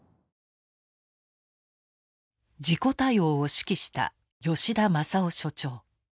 事故対応を指揮した吉田昌郎所長。